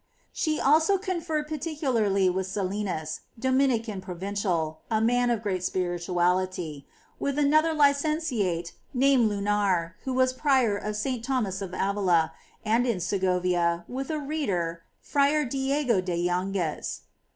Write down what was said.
She also conferred particularly with Salinas, Dominican Provincial, a man of great spirituality ; with another licentiate named Lunar, who was prior of S. Thomas of Avila ; and, in Segovia, with a Reader, Fra Diego de Yangiies.